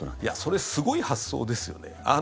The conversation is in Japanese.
それ、すごい発想ですよね。